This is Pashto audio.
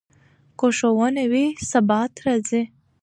که ښوونه وي، ثبات راځي.